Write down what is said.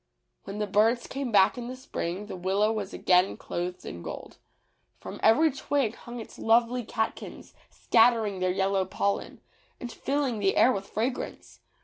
When the birds came back in the spring the Willow was again clothed in gold. From every twig hung its lovely catkins scattering their yellow pollen, and filling the air with fragrance.